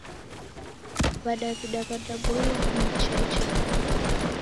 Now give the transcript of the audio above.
W'adaw'ida w'adaboilwa kunywa chai cha modo.